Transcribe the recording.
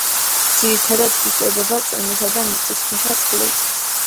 ძირითადად იკვებება წვიმისა და მიწისქვეშა წყლით.